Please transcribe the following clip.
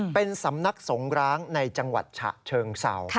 เป็นสำนักสงร้างในจังหวัดฉะเชิงเศร้า